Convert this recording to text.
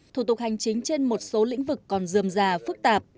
thủ tục hành chính trên một số lĩnh vực còn dườm già phức tạp